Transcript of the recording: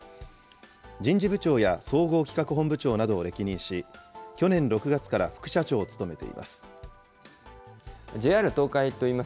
人事部長や総合企画本部長などを歴任し、去年６月から副社長を務めています。